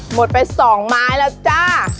หมดไป๒ไม้แล้วจ้า